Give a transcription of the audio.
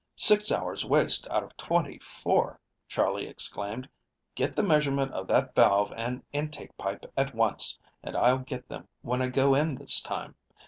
"Six hours' waste out of twenty four," Charley exclaimed. "Get the measurement of that valve and intake pipe at once, and I'll get them when I go in this time.